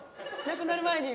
「なくなる前に」